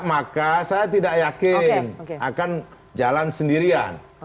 maka saya tidak yakin akan jalan sendirian